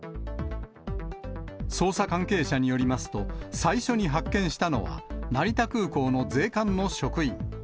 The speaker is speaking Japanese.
捜査関係者によりますと、最初に発見したのは、成田空港の税関の職員。